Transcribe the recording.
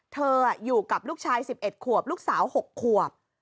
อยู่กับลูกชาย๑๑ขวบลูกสาว๖ขวบ